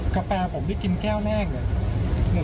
กาแฟผมไม่กินแก้วแน่งเลย